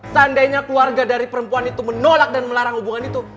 seandainya keluarga dari perempuan itu menolak dan melarang hubungan itu